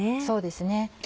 そうですね。